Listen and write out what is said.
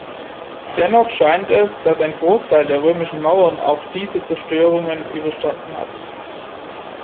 Dennoch scheint es, dass ein Großteil der römischen Mauern auch diese Zerstörungen überstanden hatten.